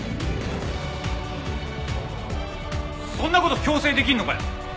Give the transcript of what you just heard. そんな事強制できんのかよ！？